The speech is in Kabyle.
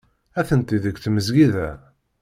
Atenti deg tmesgida.